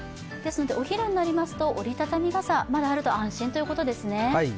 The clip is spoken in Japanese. お昼になりますと折り畳み傘まだあると安心ということですね。